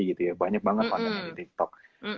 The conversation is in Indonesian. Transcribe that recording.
gitu ya banyak banget kontennya di tiktok